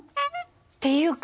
っていうか